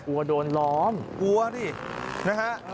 กลัวโดนล้อมกลัวดินะฮะ